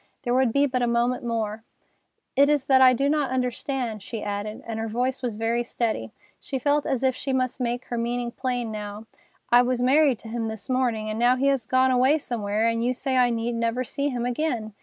There would be but a moment more. "It is I that do not understand," she added, and her voice was very steady. She felt as if she must make her meaning plain now. "I was married to him this morning, and now he is gone away somewhere, and you say I need never see him again.